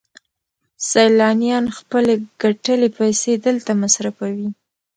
سیلانیان خپلې ګټلې پیسې دلته مصرفوي